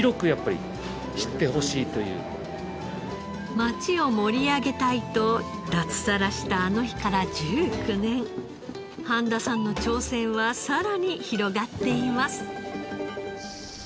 街を盛り上げたいと脱サラしたあの日から１９年半田さんの挑戦はさらに広がっています。